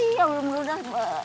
iya belum lunas